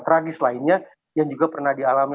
tragis lainnya yang juga pernah dialami